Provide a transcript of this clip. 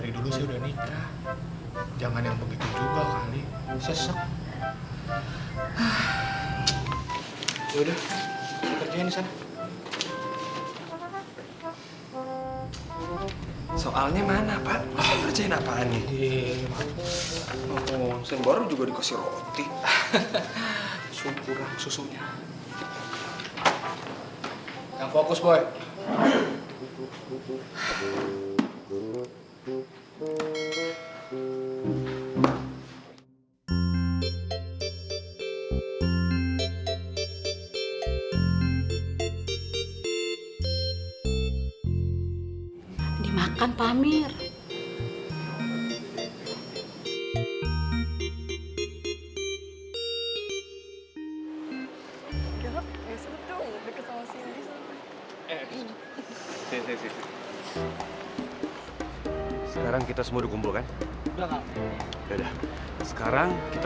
iya sih tapi yang penting kalian semua hati hati ya